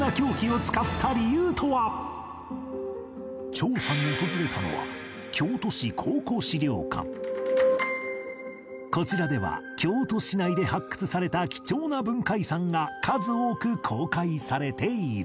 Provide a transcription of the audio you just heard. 調査に訪れたのはこちらでは京都市内で発掘された貴重な文化遺産が数多く公開されている